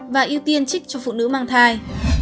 và ưu tiên trích cho phụ nữ mang thai